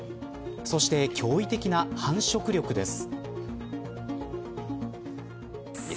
そして驚異的な繁殖力です。